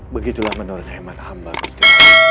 begitulah menurut heiman amba gusti